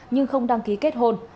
nhưng không đăng ký kết hôn